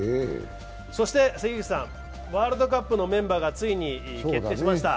そしてワールドカップのメンバーがついに決定しました。